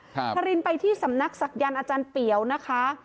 คารินไปที่สำนักศักยันต์อาจารย์เปียวนะคะ